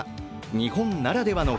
日本ならではの